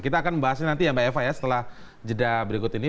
kita akan membahasnya nanti ya mbak eva ya setelah jeda berikut ini